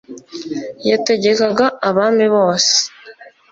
yategekaga abami bose